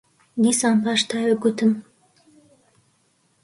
دیسان پاش تاوێک گوتم: